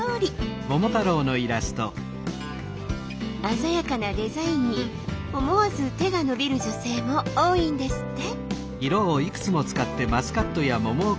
鮮やかなデザインに思わず手が伸びる女性も多いんですって！